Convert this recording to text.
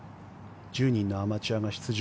１０人のアマチュアが出場。